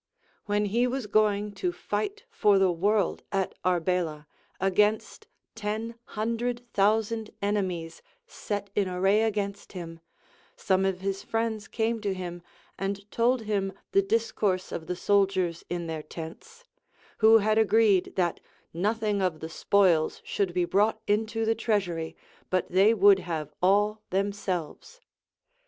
ΛΥΙιοη he was going to fight for the world at Arbela, against ten hundred thousand enemies set in array against him, some of his friends came to him, and told him the discourse of the soldiers in their tents, Avho had agreed that nothing of the spoils should be brought into the treasury, but they would have all them selves.